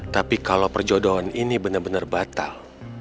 tapi kalau perjodohan ini benar benar batal